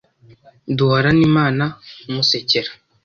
Duhorane Imana Musekera